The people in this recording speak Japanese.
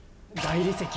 大理石？